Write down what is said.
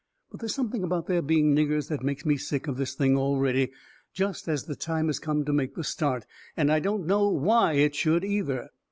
But there's something about their being niggers that makes me sick of this thing already just as the time has come to make the start. And I don't know WHY it should, either."